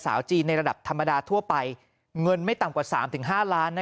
สาวจีนในระดับธรรมดาทั่วไปเงินไม่ต่ำกว่า๓๕ล้าน